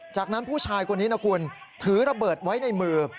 จากนั้นผู้ชายคนนี้นะคุณถือระเบิดไว้ในมือ